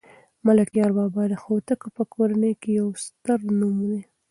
ملکیار بابا د هوتکو په کورنۍ کې یو ستر نوم دی